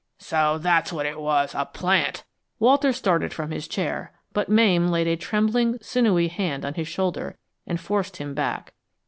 "So that's what it was, a plant!" Walter started from his chair, but Mame laid a trembling, sinewy hand upon his shoulder and forced him back.